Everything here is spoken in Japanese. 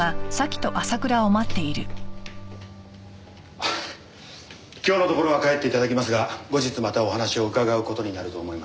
あっ今日のところは帰って頂きますが後日またお話を伺う事になると思います。